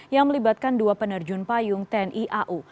yang melibatkan dua penerjun payung tni au